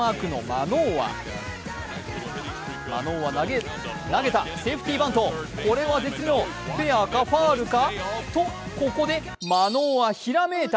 マノーア投げた、セーフティバント、これは絶妙、フェアかファウルか、とここでマノーア、ひらめいた。